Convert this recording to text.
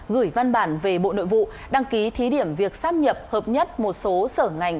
gửi văn bản về bộ nội vụ đăng ký thí điểm việc sắp nhập hợp nhất một số sở ngành